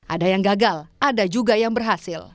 ada yang gagal ada juga yang berhasil